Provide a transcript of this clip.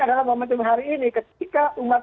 adalah momentum hari ini ketika umat